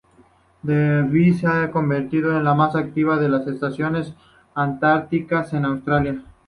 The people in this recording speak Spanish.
Davis se ha convertido en la más activa de las estaciones antárticas de Australia.